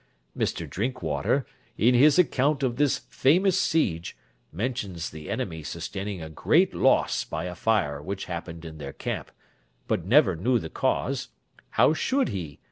Mr. Drinkwater, in his account of this famous siege, mentions the enemy sustaining a great loss by a fire which happened in their camp, but never knew the cause; how should he?